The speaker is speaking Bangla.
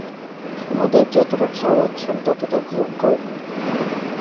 আমাদের যতটা ঠাওরাচ্ছেন ততটা ভয়ংকর নই।